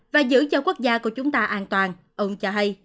và giữ cho quốc gia của chúng ta an toàn ông cho hay